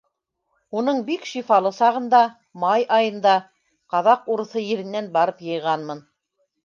Уның бик шифалы сағында, май айында, ҡаҙаҡ урыҫы еренән барып йыйғанмын.